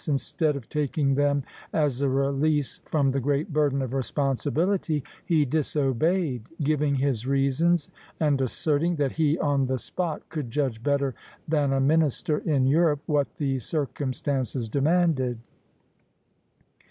Instead of taking them as a release from the great burden of responsibility, he disobeyed, giving his reasons, and asserting that he on the spot could judge better than a minister in Europe what the circumstances demanded.